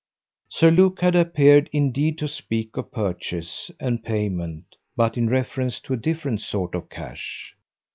Sir Luke had appeared indeed to speak of purchase and payment, but in reference to a different sort of cash.